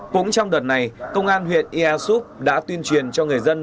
cũng trong đợt này công an huyện ea súp đã tuyên truyền cho người dân